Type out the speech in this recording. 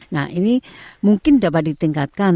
nah ini mungkin dapat ditingkatkan